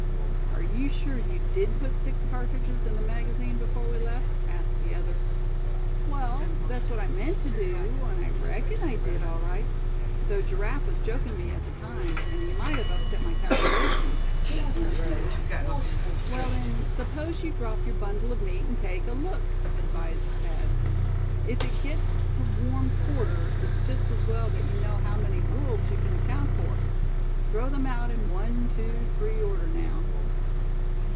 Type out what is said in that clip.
"Are you sure you did put six cartridges in the magazine before we left?" asked the other. "Well, that's what I meant to do, and I reckon I did, all right; though Giraffe was joking me at the time, and he might have upset my calculations," Step Hen admitted. "Well, then, suppose you drop your bundle of meat, and take a look," advised Thad. "If it gets to warm quarters it's just as well that you know how many wolves you can account for. Throw them out in one, two, three order, now."